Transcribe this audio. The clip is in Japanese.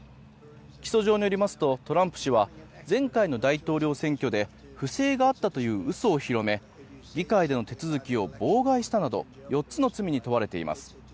起訴状によりますとトランプ氏は前回の大統領選挙で不正があったという嘘を広め議会での手続きを妨害したなど４つの罪に問われています。